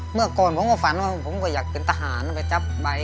เมื่อก่อนผมก็ฝันว่าผมก็อยากเป็นทหารไปจับใบ